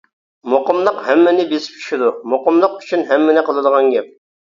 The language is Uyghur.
مۇقىملىق ھەممىنى بېسىپ چۈشىدۇ، مۇقىملىق ئۈچۈن ھەممىنى قىلىدىغان گەپ.